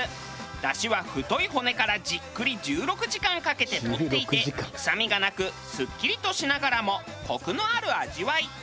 だしは太い骨からじっくり１６時間かけて取っていて臭みがなくスッキリとしながらもコクのある味わい。